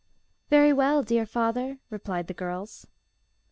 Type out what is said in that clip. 'Very well, dear father,' replied the girls.